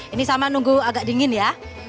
ini sama nunggu agak dingin ya